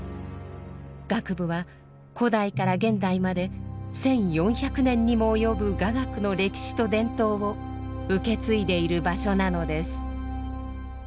楽部は古代から現代まで１，４００年にも及ぶ雅楽の歴史と伝統を受け継いでいる場所なのです。